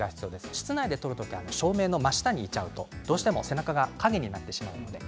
室内で撮る時照明の真下に行ってしまうとどうしても背中が影になってしまいます。